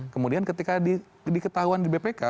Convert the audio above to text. kemudian ketika diketahuan di bpk